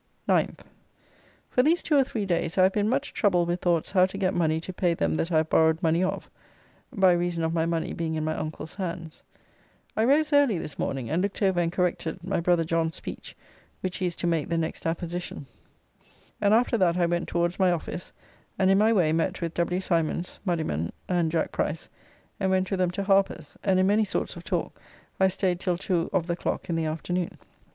9th. For these two or three days I have been much troubled with thoughts how to get money to pay them that I have borrowed money of, by reason of my money being in my uncle's hands. I rose early this morning, and looked over and corrected my brother John's speech, which he is to make the next apposition, [Declamations at St. Paul's School, in which there were opponents and respondents.] and after that I went towards my office, and in my way met with W. Simons, Muddiman, and Jack Price, and went with them to Harper's and in many sorts of talk I staid till two of the clock in the afternoon.